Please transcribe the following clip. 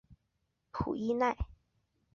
普伊奈。